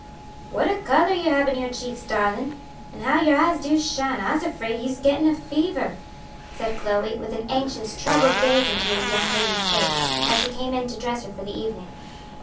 "What a color you hab in your cheeks, darlin'! an' how your eyes do shine. I'se 'fraid you's gettin' a fever," said Chloe, with an anxious, troubled gaze into her young lady's face, as she came in to dress her for the evening.